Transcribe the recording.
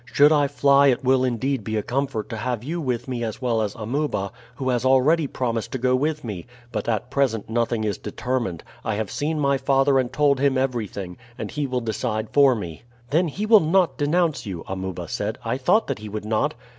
"Should I fly it will indeed be a comfort to have you with me as well as Amuba, who has already promised to go with me; but at present nothing is determined. I have seen my father and told him everything, and he will decide for me." "Then he will not denounce you," Amuba said. "I thought that he would not."